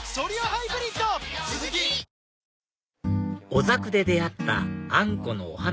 小作で出会ったあんこのお花